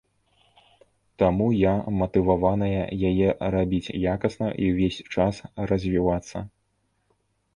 Таму я матываваная яе рабіць якасна і ўвесь час развівацца.